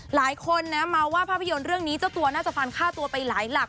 หลายคนนะเมาว่าภาพยนตร์เรื่องนี้เจ้าตัวน่าจะฟันค่าตัวไปหลายหลัก